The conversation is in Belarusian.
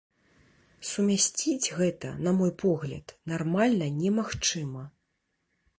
Сумясціць гэта, на мой погляд, нармальна немагчыма.